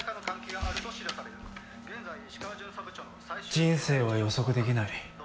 人生は予測できない。